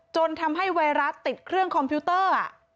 จนทำให้ไวรัสติดเครื่องคอมพิวเตอร์